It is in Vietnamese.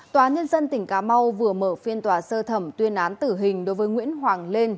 tòa nhân dân tỉnh cà mau vừa mở phiên tòa sơ thẩm tuyên án tử hình đối với nguyễn hoàng lên